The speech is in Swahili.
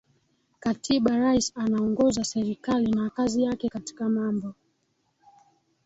Katiba Rais anaongoza serikali na kazi yake Katika mambo